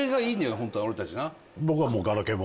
ホントは俺たちな？